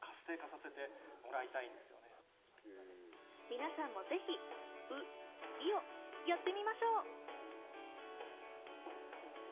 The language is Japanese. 皆さんもぜひ、「う」「い」をやってみましょう。